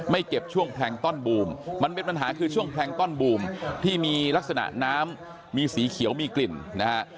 เก็บช่วงแพลงต้อนบูมมันเป็นปัญหาคือช่วงแพลงต้อนบูมที่มีลักษณะน้ำมีสีเขียวมีกลิ่นนะฮะ